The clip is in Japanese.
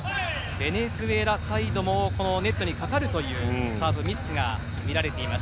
ベネズエラサイドもこのネットにかかるというサーブミスが見られています。